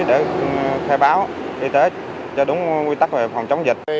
để khai báo y tế cho đúng quy tắc về phòng chống dịch